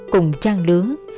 cùng trang đứa